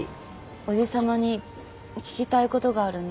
おじさまに聞きたいことがあるんです。